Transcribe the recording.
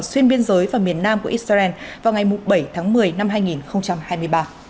xuyên biên giới và miền nam của israel vào ngày bảy tháng một mươi năm hai nghìn hai mươi ba